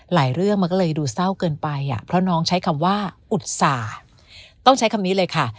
เรื่องมันก็เลยดูเศร้าเกินไปอ่ะเพราะน้องใช้คำว่าอุตส่าห์ต้องใช้คำนี้เลยค่ะ